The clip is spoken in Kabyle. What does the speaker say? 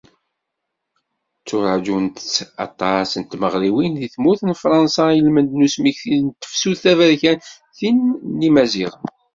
Tturaǧunt-tt aṭas n tmeɣriwin deg tmurt n Fransa ilmend n usmeki s tefsut taberkant d tin n yimaziɣen.